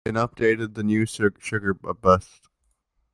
An updated The New Sugar Busters!